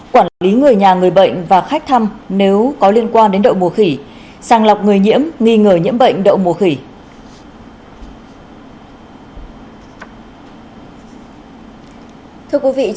quản lý người nhà người bệnh và khách thăm nếu có liên quan đến đậu mùa khỉ